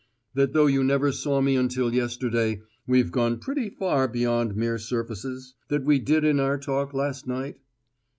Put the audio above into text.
That though you never saw me until yesterday, we've gone pretty far beyond mere surfaces? That we did in our talk, last night?"